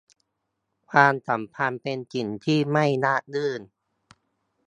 ความสัมพันธ์เป็นสิ่งที่ไม่ราบรื่น